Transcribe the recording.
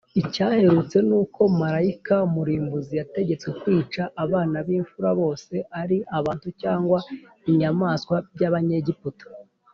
Icyaherutse ni uko marayika murimbuzi yategetswe kwica abana b’imfura bose ari ab’abantu cyangwa inyamaswa by’Abanyegiputa